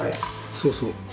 そうそう。